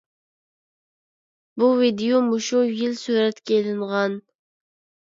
بۇ ۋىدىيو مۇشۇ يىل سۈرەتكە ئېلىنغان.